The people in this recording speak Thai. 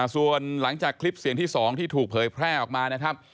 ส่วนหลังจากคลิปเสียงที่๒ที่ถูกเผยแพร่ออกมานะครับ